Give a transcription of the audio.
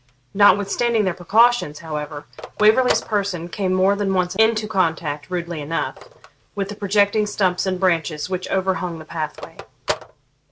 Notwithstanding their precautions, however, Waverley's person came more than once into contact, rudely enough, with the projecting stumps and branches which overhung the pathway.